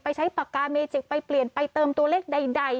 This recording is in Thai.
ใช้ปากกาเมจิกไปเปลี่ยนไปเติมตัวเลขใด